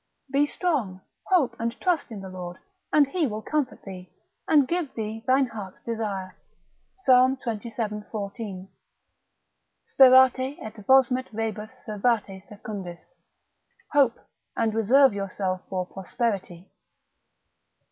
Be strong, hope and trust in the Lord, and he will comfort thee, and give thee thine heart's desire, Psal. xxvii. 14. Sperate et vosmet rebus servate secundis. Hope, and reserve yourself for prosperity.